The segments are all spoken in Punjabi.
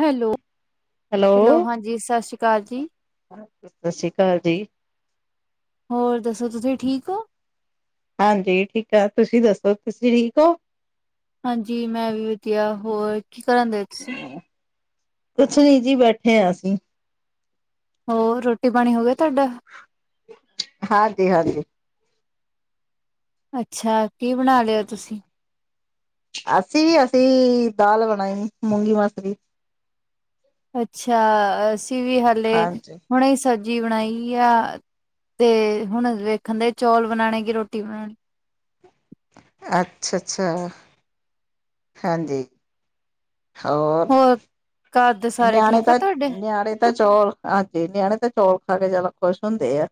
ਹੈਲੋ, ਹੈਲੋ ਹਾਂਜੀ, ਸਤਿ ਸ਼੍ਰੀ ਅਕਾਲ ਜੀ। ਸਤਿ ਸ਼੍ਰੀ ਅਕਾਲ ਜੀ। ਹੋਰ ਦੱਸੋ। ਤੁਸੀਂ ਠੀਕ ਓ? ਹਾਂਜੀ ਠੀਕ ਏ। ਤੁਸੀਂ ਦੱਸੋ, ਤੁਸੀਂ ਠੀਕ ਓ। ਹਾਂਜੀ ਮੈਂ ਵੀ ਵਧੀਆ। ਹੋਰ ਕੀ ਕਰਨ ਦੇ ਤੁਸੀਂ। ਕੁਛ ਨੀਂ ਜੀ ਬੈਠੇ ਆਂ ਅਸੀਂ। ਹੋਰ ਰੋਟੀ-ਪਾਣੀ ਹੋ ਗਿਆ ਤਾਡਾ। ਹਾਂਜੀ, ਹਾਂਜੀ। ਅੱਛਾ, ਕੀ ਬਣਾ ਲਿਆ ਤੁਸੀਂ। ਅਸੀਂ ਵੀ ਅਸੀਂ ਦਾਲ ਬਣਾਈ ਮੂੰਗੀ ਮਸਰੀ। ਅੱਛਾ, ਅਸੀਂ ਵੀ ਹਾਲੇ ਹਾਂਜੀ ਹੁਣੇ ਸਬਜ਼ੀ ਬਣਾਈ ਆ ਤੇ ਹੁਣ ਵੇਖਣ ਦੇ ਚੌਲ ਬਣਾਣੇ ਕਿ ਰੋਟੀ ਬਣਾਣੀ। ਅੱਛਾ ਅੱਛਾ, ਹਾਂਜੀ। ਹੋਰ ਘਰ ਦੇ ਸਾਰੇ ਨਿਆਣੇ ਠੀਕ ਆ ਤਾਂ ਤੁਹਾਡੇ? ਨਿਆਣੇ ਤਾਂ ਚੌਲ- ਹਾਂਜੀ ਨਿਆਣੇ ਤਾਂ ਚੌਲ ਖਾ ਕੇ ਜੈਦਾ ਖੁਸ਼ ਹੁੰਦੇ ਆ।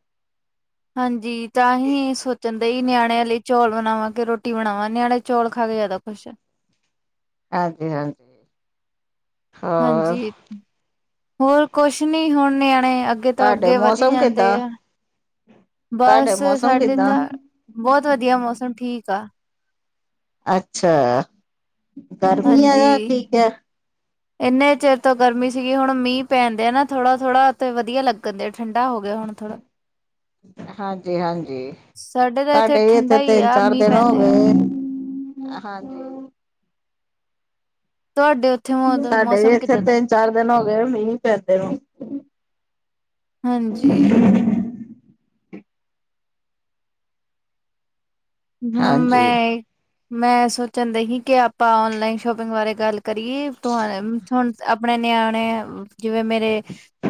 ਹਾਂਜੀ ਤਾਂ ਹੀ ਸੋਚਨ ਦੇ ਹੀ ਨਿਆਣਿਆਂ ਲਈ- ਚੌਲ ਬਨਾਵਾਂ ਕੇ ਰੋਟੀ ਬਣਾਵਾਂ ਨਿਆਣੇ ਚੌਲ ਖਾ ਕੇ ਜੈਦਾ ਖੁਸ਼ ਹੈ। ਇਹ ਤੇ ਹੈ। ਹਾਂਜੀ, ਹੋਰ ਕੁਸ਼ ਨੀ ਹੁਣ ਨਿਆਣੇ ਅੱਗੇ- ਅੱਗੇ ਤੋਂ ਤੁਹਾਡੇ ਅੱਗੇ ਵਧੀ ਮੌਸਮ ਜਾਂਦੇ ਕਿੱਦਾਂ ਆ ਤੁਹਾਡੇ ਬਸ ਮੌਸਮ ਸਾਡੇ ਕਿੱਦਾਂ ਤਾਂ- ਬੋਤ ਵਧੀਆ ਮੌਸਮ ਠੀਕ ਆ। ਅੱਛਾ। ਗਰਮੀ ਆ ਹਾਂਜੀ। ਜਾਂ ਠੀਕ ਹੈ ਏਨੇ ਚਿਰ ਤੋਂ ਗਰਮੀ ਸੀਗੀ ਹੁਣ ਮੀਂਹ ਪੈਣ ਦੇਆ ਨਾ ਥੋੜਾ, ਥੋੜਾ ਤੇ ਵਧੀਆ ਲੱਗ। ਕਦੇ ਠੰਡਾ ਹੋ ਗਿਆ ਹੁਣ ਥੋੜ੍ਹਾ। ਹਾਂਜੀ ਹਾਂਜੀ ਸਾਡੇ ਤੇ ਇੱਥੇ ਵੀ ਠੰਢਾ ਹੀ ਤਿੰਨ ਆ ਚਾਰ ਮੀਂਹ ਦਿਨ ਹੋ ਪੈਂਦੇ ਆ। [inaudible] [inaudible] ਗਏ ਹਾਂਜੀ। ਤੁਹਾਡੇ- ਉੱਥੇ ਮੌ ਸਾਡੇ ਵੀ ਮੌਸਮ ਇੱਥੇ ਕਿੱਦਾਂ ਦਾ? ਤਿੰਨ-ਚਾਰ ਦਿਨ ਹੋ ਗਏ ਮੀਂਹ ਪੈਂਦੇ ਨੂੰ। ਹਾਂਜੀ। ਹੁ ਹਾਂਜੀ ਮੈਂ ਮੈਂ ਸੋਚਣ ਦਈ ਸੀ ਕਿ ਆਪਾਂ ਔਨਲਾਈਨ ਸ਼ੋਪਿੰਗ ਬਾਰੇ ਗੱਲ- ਕਰੀਏ ਤੋ ਹੁਣ ਆਪਣੇ ਨਿਆਣੇ ਜਿਵੇਂ ਮੇਰੇ-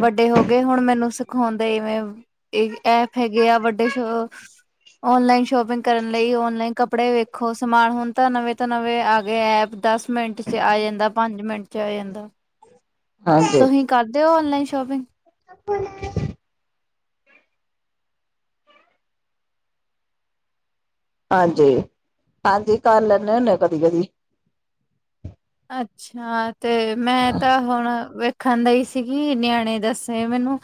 ਵੱਡੇ ਹੋ ਗਏ ਹੁਣ ਮੈਨੂੰ ਸਿਖਾਉਂਦੇ ਇਵੇਂ- ਇਹ ਐਪ ਹੈਗੇ ਆ ਵੱਡੇ ਸ਼ ਔਨਲਾਈਨ ਸ਼ੋਪਿੰਗ- ਕਰਨ ਲਈ ਔਨਲਾਈਨ ਕੱਪੜੇ ਵੇਖੋ ਸਮਾਨ ਹੁਨ ਤਾਂ ਨਵੇਂ ਤੋਂ ਨਵੇਂ ਆ ਗਏ ਐਪ ਦਸ ਮਿੰਟ- 'ਚ ਆ ਯਾਂਦਾ ਪੰਜ ਮਿੰਟ'ਚ ਆ ਯਾਂਦਾ। ਹਾਂਜੀ। [unintelligible] ਕਰਦੇ ਹੋ ਔਨਲਾਈਨ ਸ਼ੋਪਿੰਗ? ਅਪਨਾ - [unintelligible] ਹਾਂਜੀ ਹਾਂਜੀ ਕਰ ਲੈਂਨੇ ਹੁੰਨੇ ਕਦੀ-ਕਦੀ। ਅੱਛਾ, ਤੇ ਮੈਂ ਤਾਂ ਹੁਣ - ਵੇਖਨ ਦਈ ਸੀਗੀ ਨਿਆਣੇ ਦੱਸੇ ਮੈਨੂੰ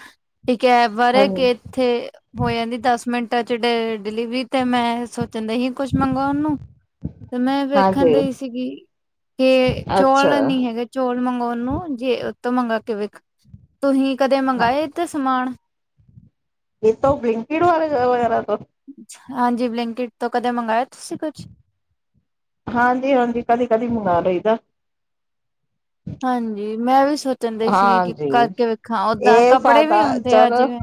ਇੱਕ ਐਪ ਬਾਰੇ ਕਿ ਹਾਂਜੀ ਏਥੇ- ਹੋ ਜਾਂਦੀ ਦਸ ਮਿੰਟ'ਚ ਡ ਡਿਲੀਵਰੀ। ਤੇ ਮੈਂ ਸੋਚਨ ਦਯਿ ਹੀ ਕੁਛ ਮੰਗਉਣ ਨੂੰ, ਮੈਂ ਵੇਖਣ ਹਾਂਜੀ, ਡਯੀ ਸੀਗੀ। ਕੇ ਅੱਛਾ ਚੌਲ ਨੀ ਹੈਗੇ ਚੋਲ ਮੰਗਉਣ ਨੂੰ ਜੇ ਉਹਤੋਂ ਮੰਗਾ ਕਿ ਵੇਖ- ਤੁਹੀ ਕਦੇ ਹਾਂ, ਮੰਗਾਏ ਇਥੇ ਸਮਾਨ- ਕਿਥੋਂ ਬਲਿੰਕਇੱਟ ਵਾ ਵਗੈਰਾ ਤੋਂ? ਹਾਂਜੀ ਬਲਿੰਕਇੱਟ ਤੋਂ ਕਦੇ ਮੰਗਾਇਆ ਤੁਸੀਂ ਕੁਛ ਹਾਂਜੀ-ਹਾਂਜੀ, ਕਦੀ-ਕਦੀ ਮੰਗਾ ਲਈਦਾ। ਹਾਂਜੀ, ਮੈਂ ਵੀ ਸੋਚ- ਕਿਹੰਦੇ ਸੀ ਕਿ ਹਾਂਜੀ ਕਰਕੇ ਵੇਖਾਂ ਓਦਾਂ ਇਹ ਕੱਪੜੇ ਵੀ ਫਾਇਦਾ ਹੁੰਦੇ ਆ ਚਲੋ ਜਿਵੇਂ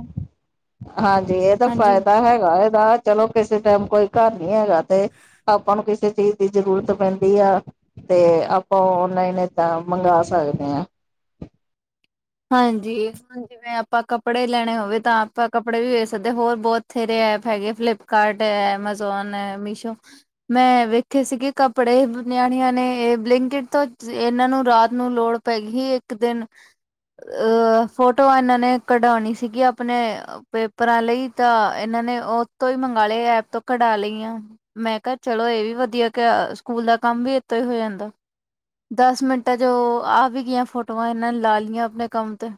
ਹਾਂਜੀ, ਇਹ ਤਾਂ ਹਾਂਜੀ ਫਾਇਦਾ ਹੈਗਾ ਇਹਦਾ ਚਲੋ ਕਿਸੇ ਟਾਈਮ ਕੋਈ ਘਰ ਨੀ ਹੈਗਾ ਤੇ- ਆਪਾਂ ਨੂੰ ਕਿਸੇ ਚੀਜ਼ ਦੀ ਜ਼ਰੂਰਤ ਪੈਂਦੀ ਆ- ਤੇ ਆਪਾਂ ਔਨਲਾਈਨ ਏਦਾਂ ਮੰਗਵਾ ਸਕਦੇ ਆ। ਹਾਂਜੀ। ਹੁਨ ਜਿਵੇਂ ਆਪਾਂ ਕੱਪੜੇ ਲੈਣੇ ਹੋਵੇ ਤਾਂ ਆਪਾਂ ਕੱਪੜੇ ਵੀ ਵੇਖ ਸਕਦੇ ਆ ਹੋਰ ਬਹੁਤ ਥੇਰੇ ਐਪ ਹੈਗੇ ਫਲਿੱਪ ਕਾਰਟ ਹੈ, ਐਮਾਜ਼ੋਨ ਹੈ, ਮੀਸ਼ੋ। ਮੈਂ ਵੇਖੇ ਸੀਗੇ ਕੱਪੜੇ ਨਿਆਣੀਆਂ ਨੇ, ਇਹ ਬਲਿੰਕਇੱਟ ਤੋਂ, ਇਹਨਾਂ ਨੂੰ ਰਾਤ ਨੂੰ ਲੋੜ- ਪਇ ਗੀ, ਇੱਕ ਦਿਨ ਅ ਫੋਟੋ ਇਹਨਾਂ ਨੇ, ਕਢਾਉਣੀ ਸੀਗੀ ਆਪਣੇ ਪੇਪਰਾਂ ਲਈ ਤਾਂ, ਇਹਨਾਂ ਨੇ ਉਹ ਤੋਂ ਹੀ ਮੰਗਵਾ ਲਏ, ਐਪ ਤੋਂ ਕਢਾ ਲਈ ਆ ਮੈਂ ਕਿਹਾ, ਚਲੋ ਇਹ ਵੀ ਵਧੀਆ ਕਿ, ਸਕੂਲ ਦਾ ਕੰਮ ਵੀ ਇੱਤੋਂ ਹੀ ਹੋ ਜਾਂਦਾ ਦਸ ਮਿੰਟਾਂ'ਚ, ਆ ਵੀ ਗਈਆਂ ਫੋਟੋਆਂ ਇਹਨਾਂ ਨੇ, ਲਾ ਲਈਆਂ ਆਪਣੇ ਕੰਮ ਤੇ